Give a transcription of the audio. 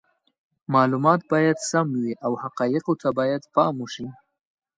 معلومات باید سم وي او حقایقو ته باید پام وشي.